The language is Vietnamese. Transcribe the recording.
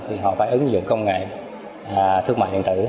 thì họ phải ứng dụng công nghệ thương mại điện tử